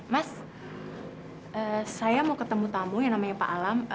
mas saya mau ketemu tamu yang namanya pak alam